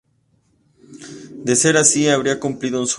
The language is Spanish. De ser así, habría cumplido un sueño.